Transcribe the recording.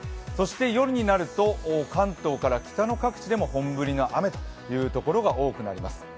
夜になると関東から北の各地でも本降りの雨という所が多くなります。